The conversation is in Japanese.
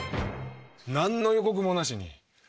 何の予告もなしに。